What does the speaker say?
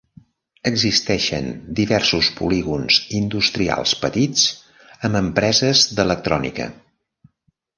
Existeixen diversos polígons industrials petits amb empreses d'electrònica.